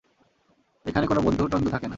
এখানে কোনো বন্ধু তন্ডু থাকে না।